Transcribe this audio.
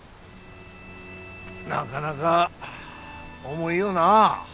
なかなか重いよな。